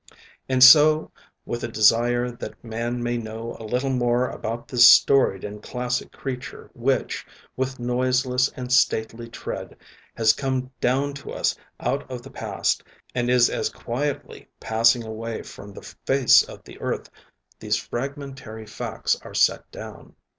And so, with a desire that man may know a little more about this storied and classic creature which, with noiseless and stately tread, has come down to us out of the past, and is as quietly passing away from the face of the earth, these fragmentary facts are set down.